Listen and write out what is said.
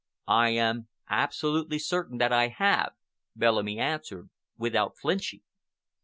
"I am absolutely certain that I have," Bellamy answered, without flinching.